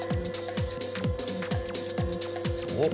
おっ